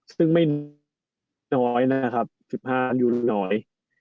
ซึ่งไม่น้อย๑๕ล้านยูโรน่อย